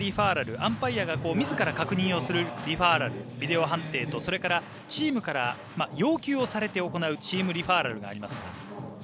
アンパイアがみずから確認するリファーラル、ビデオ判定とそれから、チームから要求をされて行うチームリファーラルがあります。